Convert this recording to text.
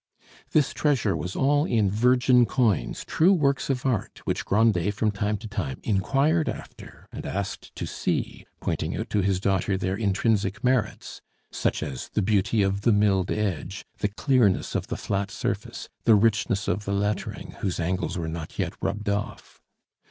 This treasure was all in virgin coins, true works of art, which Grandet from time to time inquired after and asked to see, pointing out to his daughter their intrinsic merits, such as the beauty of the milled edge, the clearness of the flat surface, the richness of the lettering, whose angles were not yet rubbed off.